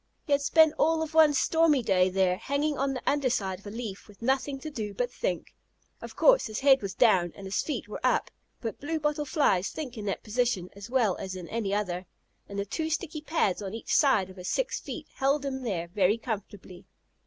He had spent all of one stormy day there, hanging on the under side of a leaf, with nothing to do but think. Of course, his head was down and his feet were up, but Blue bottle Flies think in that position as well as in any other, and the two sticky pads on each side of his six feet held him there very comfortably.